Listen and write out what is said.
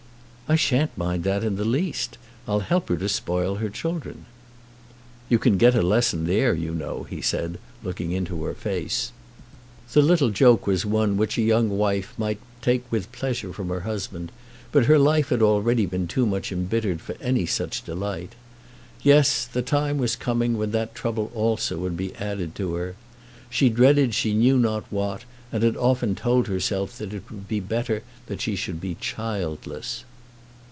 "I shan't mind that in the least. I'll help her to spoil the children." "You can get a lesson there, you know," he said, looking into her face. The little joke was one which a young wife might take with pleasure from her husband, but her life had already been too much embittered for any such delight. Yes; the time was coming when that trouble also would be added to her. She dreaded she knew not what, and had often told herself that it would be better that she should be childless.